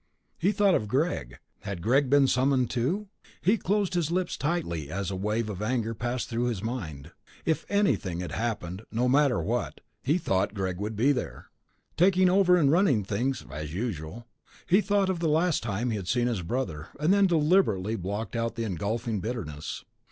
He thought of Greg. Had Greg been summoned too? He closed his lips tightly as a wave of anger passed through his mind. If anything had happened, no matter what, he thought, Greg would be there. Taking over and running things, as usual. He thought of the last time he had seen his brother, and then deliberately blocked out the engulfing bitterness.